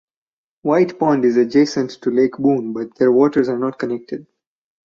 White Pond is adjacent to Lake Boon but their waters are not connected.